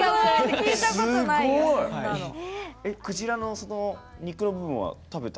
クジラの肉の部分は食べた？